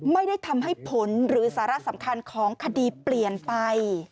ไม่ได้ทำให้ผลหรือสาระสำคัญของคดีเปลี่ยนไป